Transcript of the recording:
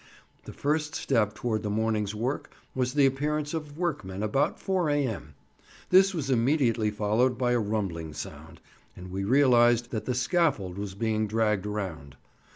The first step towards the morning's work was the appearance of workmen about 4 A.M.; this was immediately followed by a rumbling sound, and we realized that the scaffold was being dragged round.